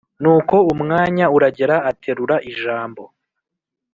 nuko umwanya uragera aterura ijambo